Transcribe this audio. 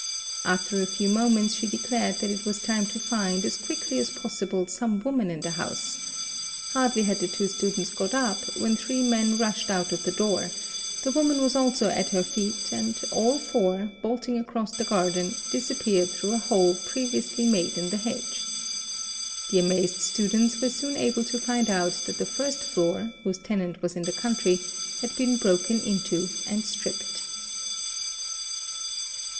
After a Ww moments she declared that it was time to find, as quickly as possible, sc me woman in the house; hardly had the two students got up, when hree men rushed out of the door, the woman was also on her feet, and 1 four, bolting across the garden disappeared through a hole previously > 688 THEFT made in the hedge. The amazed students were soon able to find out that the first floor, whose tenant was in the country, had been broken intoand stripped.